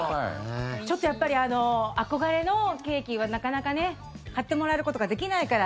ちょっと、やっぱり憧れのケーキはなかなか買ってもらえることができないから。